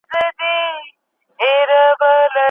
د نقيب قبر ته څو پېغلو څو زلميو ماښام